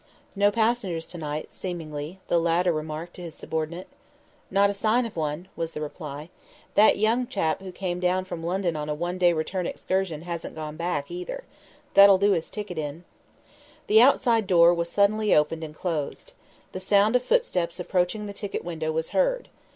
"No passengers to night, seemingly," the latter remarked to his subordinate. "Not a sign of one," was the reply. "That young chap who came down from London on a one day return excursion, hasn't gone back, either. That'll do his ticket in." The outside door was suddenly opened and closed. The sound of footsteps approaching the ticket window was heard.